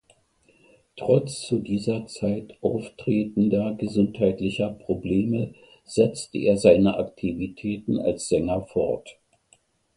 Trotz zu dieser Zeit auftretender gesundheitlicher Probleme setzte er seine Aktivitäten als Sänger fort.